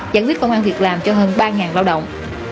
giải quyết công an việc làm cho hơn ba lao động